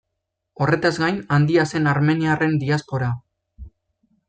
Horretaz gain, handia zen armeniarren diaspora.